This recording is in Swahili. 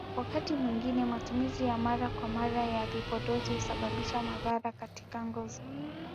Wakati mwingine matumizi ya mara kwa mara ya vipodozi husababisha madhara katika ngozi